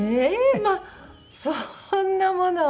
まあそんなものを。